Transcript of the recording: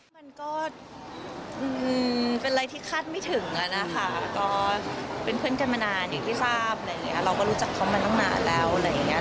มันก็เป็นอะไรที่คาดไม่ถึงอะนะคะก็เป็นเพื่อนกันมานานอย่างที่ทราบอะไรอย่างเงี้ยเราก็รู้จักเขามาตั้งนานแล้วอะไรอย่างเงี้ย